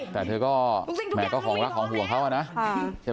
คุณปุ้ยอายุ๓๒นางความร้องไห้พูดคนเดี๋ยว